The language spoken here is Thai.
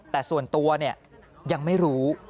แต่ส่วนตัวยังไม่รู้